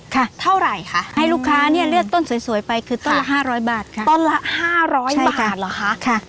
เท่าไหร่คะให้ลูกค้าเนี่ยเลือกต้นสวยไปคือต้นละห้าร้อยบาทค่ะต้นละห้าร้อยบาทเหรอคะค่ะ